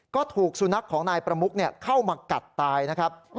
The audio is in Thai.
ก็ถูกสุนัขของนายประมุกเข้ามากัดตายนะครับ